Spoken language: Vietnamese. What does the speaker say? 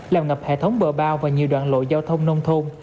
làm ngập hệ thống bờ bao và nhiều đoạn lội giao thông nông thôn